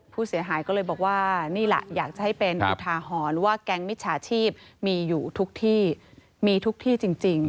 ผู้เสียหายก็เลยบอกว่านี่แหละอยากจะให้เป็นอุทาหรณ์ว่าแก๊งมิจฉาชีพมีอยู่ทุกที่มีทุกที่จริง